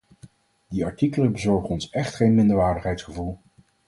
Die artikelen bezorgen ons echt geen minderwaardigheidsgevoel.